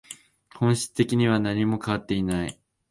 本質的には何も変わっていない